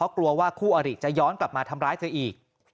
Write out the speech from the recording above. กลัวว่าคู่อริจะย้อนกลับมาทำร้ายเธออีก